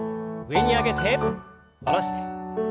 上に上げて下ろして。